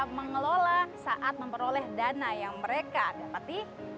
mengelola saat memperoleh dana yang mereka dapati